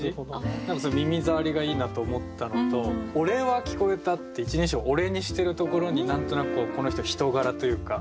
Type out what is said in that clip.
何かすごい耳触りがいいなと思ったのと「俺は聞こえた」って１人称を「俺」にしているところに何となくこうこの人の人柄というか。